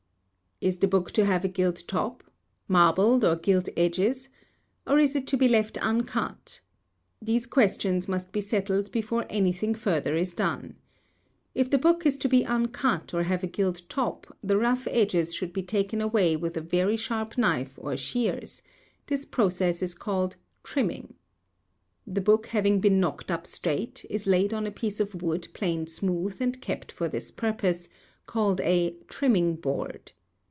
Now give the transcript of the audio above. Is the book to have a gilt top? marbled or gilt edges? or is it to be left uncut? These questions must be settled before anything further is done. If the book is to be uncut or have a gilt top, the rough edges should be taken away with a very sharp knife or shears: this process is called "trimming." The book having been knocked up straight, is laid on a piece of wood planed smooth and kept for this purpose, called a "trimming board."